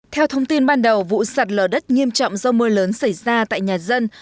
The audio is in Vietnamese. theo thông tin ban đầu vụ sạt lở đất nghiêm trọng do mưa lớn xảy ra tại nhà dân